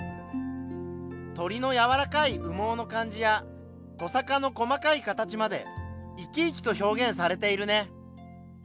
鳥のやわらかい羽毛の感じやとさかの細かい形まで生き生きと表現されているね。